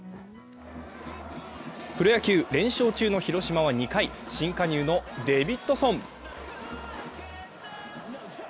プロ野球、連勝中の広島は２回、新加入のデビッドソン。